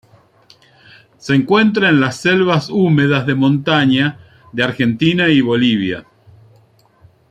Se encuentra en las selvas húmedas de montaña de Argentina y Bolivia.